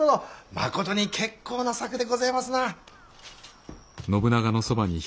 まことに結構な策でごぜますな。